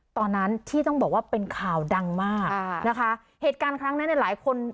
ตอนนั้นที่ต้องบอกว่าเป็นข่าวดังมากนะคะเหตุการณ์ครั้งนั้นเนี่ยหลายคน